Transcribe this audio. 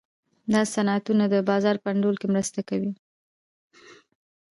دا صنعتونه د بازار په انډول کې مرسته کوي.